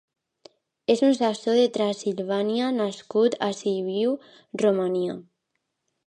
És un saxó de Transsilvània nascut a Sibiu, Romania.